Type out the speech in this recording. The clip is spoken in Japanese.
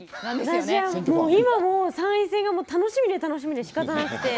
私はもう今もう参院選が楽しみで楽しみでしかたなくて。